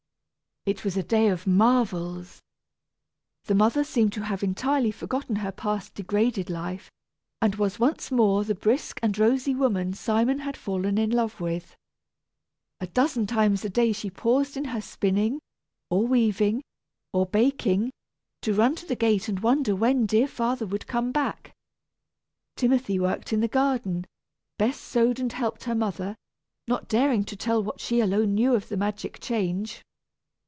It was a day of marvels! The mother seemed to have entirely forgotten her past degraded life, and was once more the brisk and rosy woman Simon had fallen in love with. A dozen times a day she paused in her spinning, or weaving, or baking, to run to the gate and wonder when dear father would come back. Timothy worked in the garden, Bess sewed and helped her mother, not daring to tell what she alone knew of the magic change.